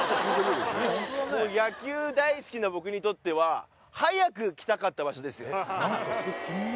もう野球大好きな僕にとっては早く来たかった場所ですよ